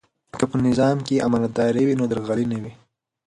که په نظام کې امانتداري وي نو درغلي نه وي.